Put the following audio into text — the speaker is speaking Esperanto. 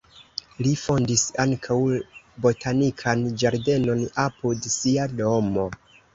Li fondis ankaŭ botanikan ĝardenon apud sia domo.